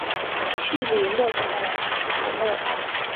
叙里勒孔塔勒。